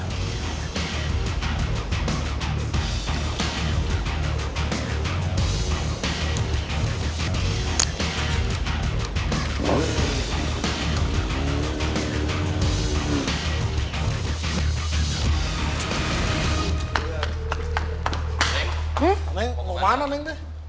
neng mau kemana neng